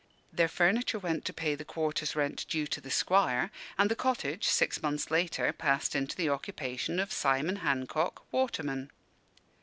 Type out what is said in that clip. Their furniture went to pay the quarter's rent due to the Squire, and the cottage, six months later, passed into the occupation of Simon Hancock, waterman.